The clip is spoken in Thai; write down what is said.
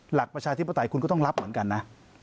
ประชาธิปไตยคุณก็ต้องรับเหมือนกันนะ